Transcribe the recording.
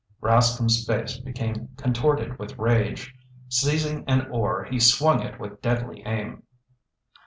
_" Rascomb's face became contorted with rage. Seizing an oar, he swung it with deadly aim.